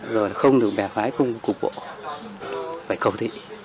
rồi không được bẻ phái cùng cục bộ phải cầu thị